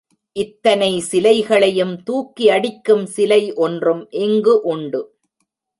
இத்தனை சிலைகளையும் தூக்கி அடிக்கும் சிலை ஒன்றும் இங்கு உண்டு.